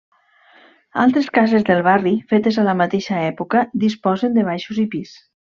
Altres cases del barri, fetes a la mateixa època, disposen de baixos i pis.